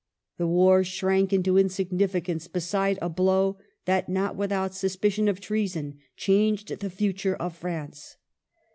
The war shrank into insignificance beside a blow that, not without suspicion of treason, changed the future of France.